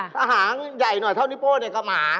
ถ้าหางใหญ่หน่อยเท่านิโป้เนี่ยกับหมา